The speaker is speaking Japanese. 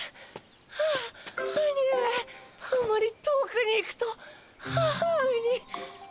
兄上あまり遠くに行くと母上に。